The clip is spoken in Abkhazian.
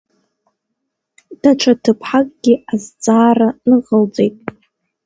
Даҽа ҭыԥҳакгьы азҵаара ныҟалҵеит.